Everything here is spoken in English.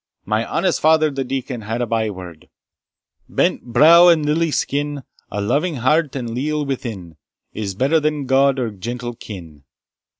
My honest father the deacon had a byword, Brent brow and lily skin, A loving heart, and a leal within, Is better than gowd or gentle kin.